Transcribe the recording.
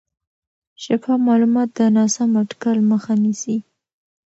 شفاف معلومات د ناسم اټکل مخه نیسي.